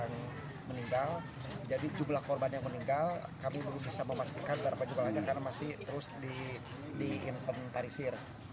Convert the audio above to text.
jadi jumlah korban yang meninggal kami belum bisa memastikan berapa jumlah lagi karena masih terus diimpen parisir